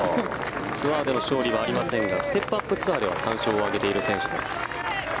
ツアーでの勝利はありませんがステップ・アップ・ツアーでは３勝を挙げている選手です。